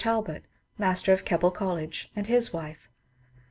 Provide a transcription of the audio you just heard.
Talbot, Master of Keble College, and his wife.